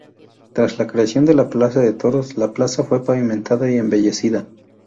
Tras la creación de la plaza de toros, la plaza fue pavimentada y embellecida.